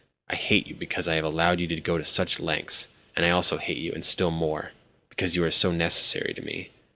I hate you because I have allowed you to go to such lengths, and I also hate you and still more—because you are so necessary to me.